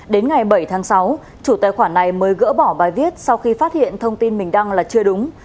đến ngày bảy tháng sáu chủ tài khoản này mới gỡ bỏ bài viết sau khi phát hiện thông tin mình đăng là chưa đúng